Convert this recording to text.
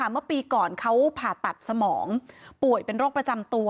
เมื่อปีก่อนเขาผ่าตัดสมองป่วยเป็นโรคประจำตัว